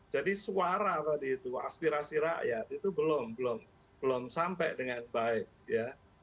jadi suara apa di itu aspirasi rakyat itu belum belum belum sampai dengan baik ya